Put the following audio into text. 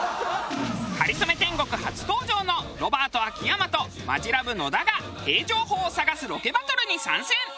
『かりそめ天国』初登場のロバート秋山とマヂラブ野田がへぇ情報を探すロケバトルに参戦。